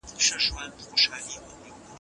که لارښوونه وي نو کار نه خرابېږي.